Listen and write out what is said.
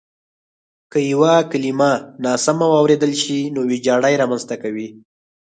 که یوه کلیمه ناسمه واورېدل شي نو وېجاړی رامنځته کوي.